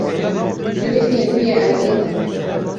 kulîlkên rûyê erde ne.